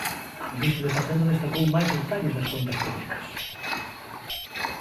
A ministra de Facenda destacou máis detalles das contas públicas.